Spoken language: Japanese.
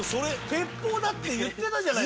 鉄砲だって言ってたじゃない。